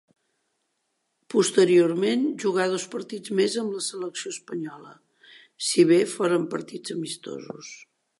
Posteriorment jugà dos partits més amb la selecció espanyola, si bé foren partits amistosos.